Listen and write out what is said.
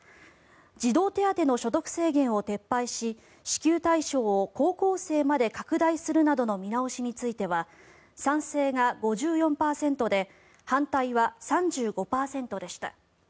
児童手当の所得制限を撤廃し支給対象を高校生まで拡大するなどの見直しについては賛成が５４％で反対は３５％でした。